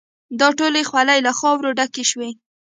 د ټولو خولې له خاورو ډکې شوې.